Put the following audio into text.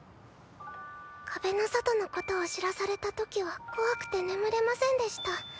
壁の外のことを知らされたときは怖くて眠れませんでした。